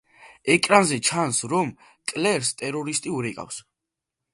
ეკრანზე ჩანს რომ კლერს ტერორისტი ურეკავს.